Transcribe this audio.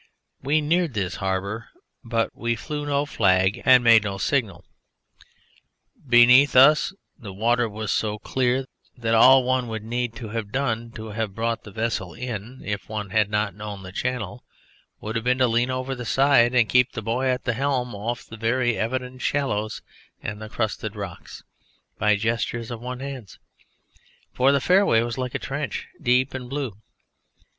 We neared this harbour, but we flew no flag and made no signal. Beneath us the water was so clear that all one need have done to have brought the vessel in if one had not known the channel would have been to lean over the side and to keep the boy at the helm off the very evident shallows and the crusted rocks by gestures of one's hands, for the fairway was like a trench, deep and blue.